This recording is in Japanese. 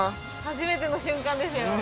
初めての瞬間ですよ。